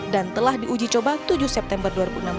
dan telah diuji coba tujuh september dua ribu enam belas